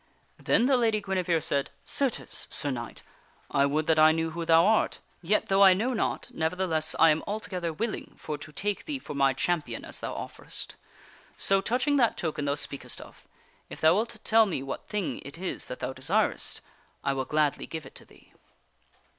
Then the Lady Guinevere said :" Certes, Sir Knight, I would that I knew who thou art. Yet, though I know not, nevertheless I am altogether willing for to take thee for my champion as thou offerest. So, touching that token thou speakest of, if King Arthur thou wilt tell me what thing it is that thou desirest, I will ^^ r gladly give it to thee."